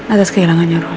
atas kehilangannya roy